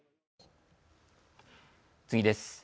次です。